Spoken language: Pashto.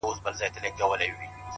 څلوريځه ـ